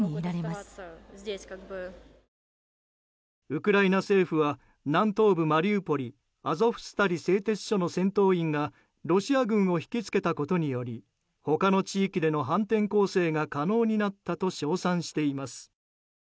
ウクライナ政府は南東部マリウポリアゾフスタリ製鉄所の戦闘員がロシア軍を引き付けたことにより他の地域での反転攻勢が可能になったと賞賛しています。